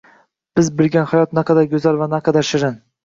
Biz bilgan hayot naqadar go‘zal va naqadar shirin